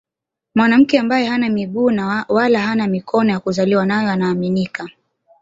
Mwanamke ambaye hana miguu na wala hana mikono ya kuzaliwa nayo anaaminika